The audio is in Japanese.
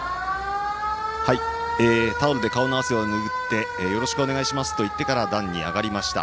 タオルで顔の汗を拭ってよろしくお願いしますと言ってから壇に上がりました。